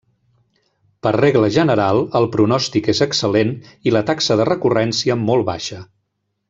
Per regla general, el pronòstic és excel·lent i la taxa de recurrència molt baixa.